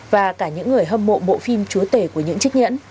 và cả những người hâm mộ bộ phim chúa tể của những chiếc nhẫn